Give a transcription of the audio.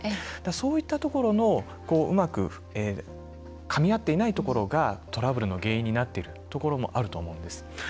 そういったところのうまくかみあっていないところがトラブルの原因になっているところもあると思うんです。